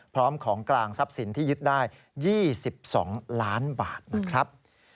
พร้อมของกลางทรัพย์สินที่ยึดได้๒๒ล้านบาทนะครับ